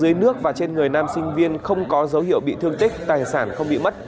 dưới nước và trên người nam sinh viên không có dấu hiệu bị thương tích tài sản không bị mất